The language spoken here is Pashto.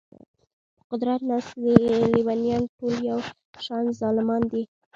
پر قدرت ناست لېونیان ټول یو شان ظالمان دي.